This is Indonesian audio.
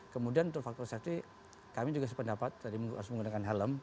kemudian untuk faktor safety kami juga sependapat tadi harus menggunakan helm